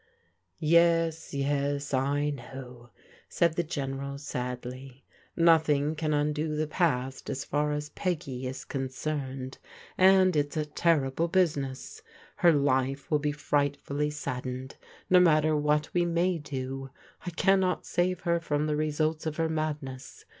YeSi ycs^ I Vncwr sa2A^<tG««rfL^^^. •* '^'^i^lMai^ LOVE WINS OUT 383 can tindo the past as far as Peggy is concerned ; and it's a terrible business. Her life will be frightfully saddened no matter what we may do. I cannot save her from the results of her madness.